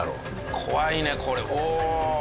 怖いねこれおお！